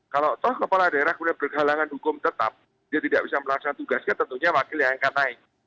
kalau toh kepala daerah kemudian berhalangan hukum tetap dia tidak bisa melaksanakan tugasnya tentunya wakil yang akan naik